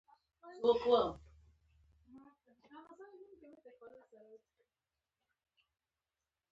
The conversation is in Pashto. نانی زړور دی